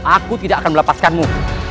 aku tidak akan melepaskanmu